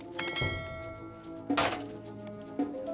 gak ada apa apa ini udah gila